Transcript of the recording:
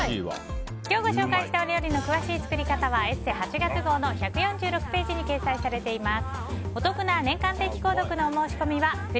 今日ご紹介した料理の詳しい作り方は「ＥＳＳＥ」８月号の１４６ページに掲載されています。